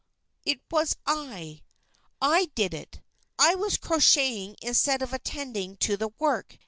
It was I. I did it. I was crocheting instead of attending to the work.